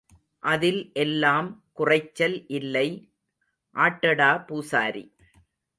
அதில் எல்லாம் குறைச்சல் இல்லை ஆட்டடா பூசாரி.